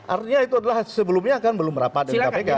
artinya itu adalah sebelumnya kan belum rapat dengan kpk